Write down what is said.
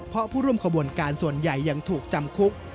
เพราะผู้ร่วมขบวนการส่วนใหญ่ยังถูกจำคุก